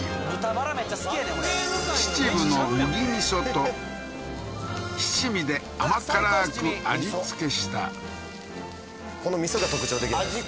俺秩父の麦味噌と七味で甘辛く味つけしたこの味噌が特徴的なんですよ